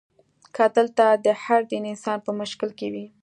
که دلته د هر دین انسان په مشکل کې وي.